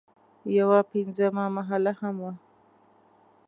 یوه پنځمه محله هم وه.